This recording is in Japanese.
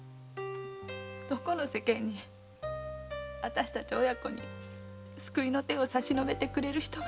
どこの世間に私たち親子に救いの手をさしのべてくれる人が。